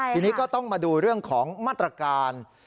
ทีนี้ก็ต้องมาดูเรื่องของมาตรการ